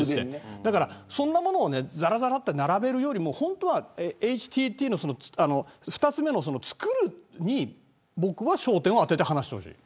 そんなものざらざら並べるより本当はＨＴＴの、２つ目の創るに僕は焦点を当てて話してほしい。